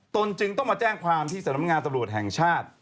ตนจึงต้องมาแจ้งความที่สำรวจแห่งชาติ